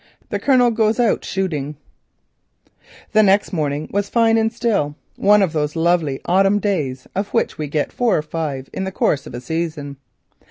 THE COLONEL GOES OUT SHOOTING The next morning was fine and still, one of those lovely autumn days of which we get four or five in the course of a season.